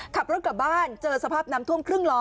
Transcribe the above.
ขับรถกลับบ้านเจอสภาพน้ำท่วมครึ่งล้อ